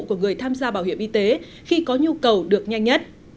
của người tham gia bảo hiểm y tế khi có nhu cầu được nhanh nhất